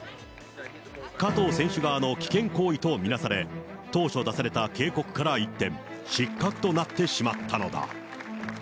加藤選手側の危険行為と見なされ、当初出された警告から一転、失格となってしまったのだ。